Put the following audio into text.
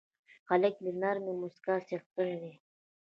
هلک د نرمې موسکا څښتن دی.